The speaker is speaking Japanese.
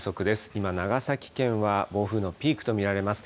今、長崎県は暴風のピークと見られます。